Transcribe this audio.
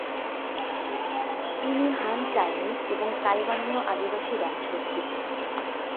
তিনি Han Chinese এবং তাইওয়ানীয় আদিবাসী বংশোদ্ভূত।